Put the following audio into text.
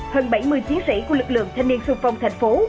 hơn bảy mươi chiến sĩ của lực lượng thanh niên xuân phong thành phố